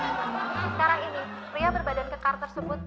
sekarang ini pria berbadan kekar tersebut